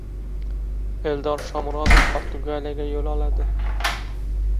Eldor Shomurodov Portugaliyaga yo‘l oladi!